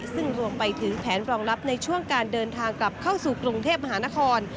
ซึ่งรวมไปถึงแผนรองรับในช่วงการเดินทางกลับเข้าสู่กรุงเทพมหานคร